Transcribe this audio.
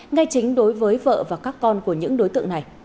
ngay chính đối với vợ và các con của những đối tượng này